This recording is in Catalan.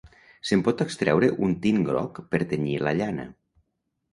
Se'n pot extreure un tint groc per tenyir la llana.